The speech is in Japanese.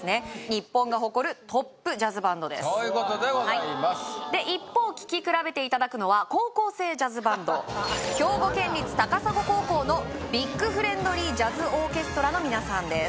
日本が誇るトップジャズバンドですそういうことでございますで一方聴き比べていただくのは高校生ジャズバンド兵庫県立高砂高校のビッグ・フレンドリー・ジャズオーケストラの皆さんです